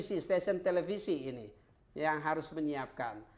si stasiun televisi ini yang harus menyiapkan